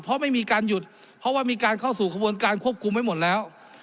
เพราะไม่มีการหยุดเพราะว่ามีการเข้าสู่กระบวนการควบคุมไว้หมดแล้ว